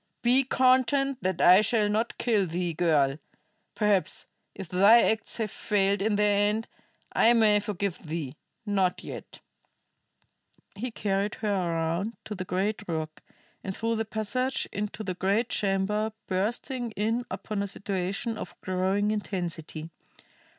"Be content that I shall not kill thee, girl. Perhaps, if thy acts have failed in their end, I may forgive thee; not yet." He carried her around to the great rock, and through the passage into the great chamber, bursting in upon a situation of growing intensity.